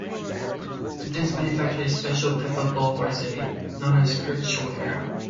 Athens manufactured a special type of bowl for the city, known as Kerch ware.